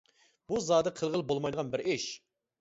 بۇ زادى قىلغىلى بولمايدىغان بىر ئىش.